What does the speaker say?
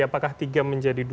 apakah kita bisa meliniarkan itu